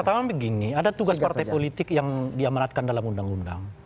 pertama begini ada tugas partai politik yang diamanatkan dalam undang undang